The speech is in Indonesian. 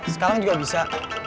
sekarang juga bisa